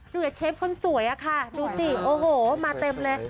กับเชฟคนสวยอะค่ะดูสิโอ้โหมาเต็มเลย